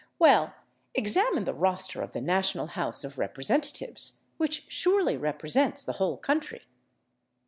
Well, examine the roster of the national House of Representatives, which surely represents the whole country.